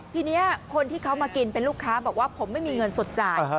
ทีนี้คนที่เขามากินเป็นลูกค้าบอกว่าผมไม่มีเงินสดจ่าย